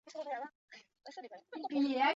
该党曾参加联合六月运动。